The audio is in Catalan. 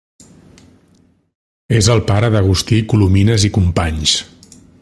És el pare d'Agustí Colomines i Companys.